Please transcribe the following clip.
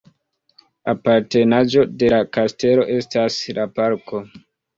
Apartenaĵo de la kastelo estas la parko.